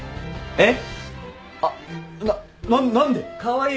えっ？